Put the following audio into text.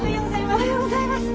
おはようございます。